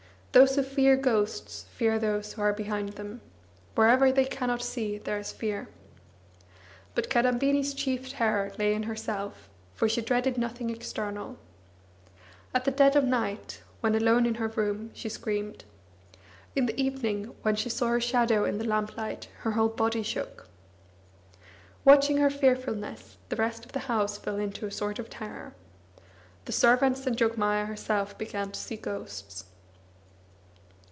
Those who fear ghosts fear those who are behind them; wherever they cannot see there is fear. But Kadambini's chief terror lay in herself, for she dreaded nothing external. At the dead of night, when alone in her room, she screamed; in the evening, when she saw her shadow in the lamp light, her whole body shook. Watching her fearfulness, the rest of the house fell into a sort of terror. The servants and Jogmaya herself began to see ghosts.